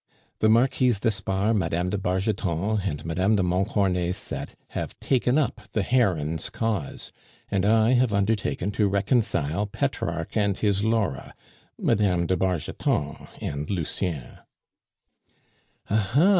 The Marquise d'Espard, Mme. de Bargeton, and Mme. de Montcornet's set have taken up the Heron's cause; and I have undertaken to reconcile Petrarch and his Laura Mme. de Bargeton and Lucien." "Aha!"